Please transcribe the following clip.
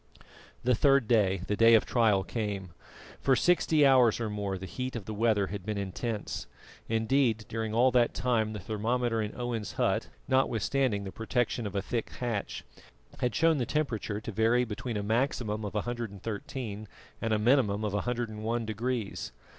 The third day the day of trial came. For sixty hours or more the heat of the weather had been intense; indeed, during all that time the thermometer in Owen's hut, notwithstanding the protection of a thick hatch, had shown the temperature to vary between a maximum of 113 and a minimum of 101 degrees.